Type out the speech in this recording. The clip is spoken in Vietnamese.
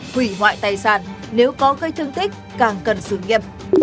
hủy hoại tài sản nếu có cây thương tích càng cần xử nghiệm